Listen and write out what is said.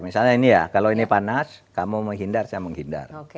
misalnya ini ya kalau ini panas kamu menghindar saya menghindar